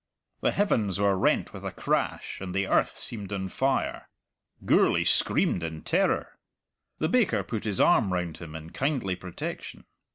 The heavens were rent with a crash, and the earth seemed on fire. Gourlay screamed in terror. The baker put his arm round him in kindly protection.